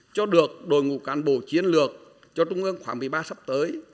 cho ngụ cán bộ chiến lược cho trung ương khoảng một mươi ba sắp tới